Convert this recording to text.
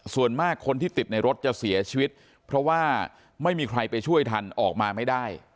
ส่วนมากคนที่ติดในรถจะเสียชีวิตเพราะว่าไม่มีใครไปช่วยทันออกมาไม่ได้